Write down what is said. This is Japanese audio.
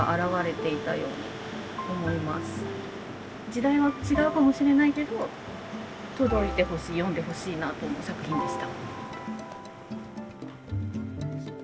時代は違うかもしれないけど届いてほしい読んでほしいなと思う作品でした。